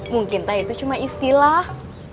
mungkin entah itu cuma istilah